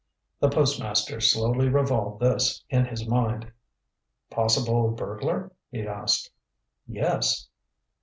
The postmaster slowly revolved this in his mind. "Possible burglar?" he asked. "Yes."